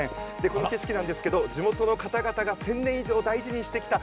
この景色なんですけど地元の方々が１０００年以上、大事にしてきた